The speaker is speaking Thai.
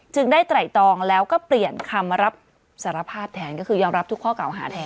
ได้ไตรตองแล้วก็เปลี่ยนคำรับสารภาพแทนก็คือยอมรับทุกข้อเก่าหาแทน